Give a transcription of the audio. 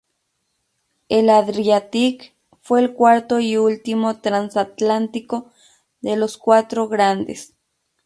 El "Adriatic" fue el cuarto y último transatlántico de los "Cuatro Grandes".